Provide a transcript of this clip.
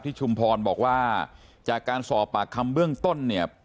ชุมพรบอกว่าจากการสอบปากคำเบื้องต้นเนี่ย